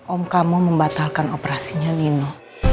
om kamu membatalkan operasinya nino